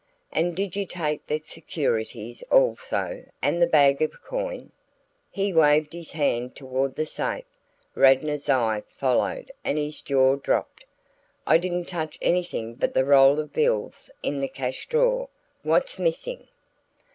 "And did you take the securities also and the bag of coin?" He waved his hand toward the safe. Radnor's eye followed and his jaw dropped. "I didn't touch anything but the roll of bills in the cash drawer. What's missing?"